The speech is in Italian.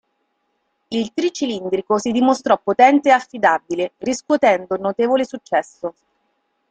Il tricilindrico si dimostrò potente e affidabile, riscuotendo un notevole successo.